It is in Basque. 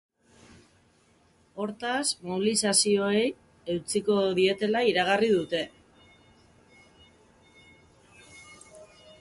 Hortaz, mobilizazioei eutsiko dietela iragarri dute.